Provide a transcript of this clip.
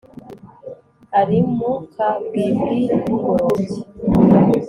Ari mu kabwibwi bugorobye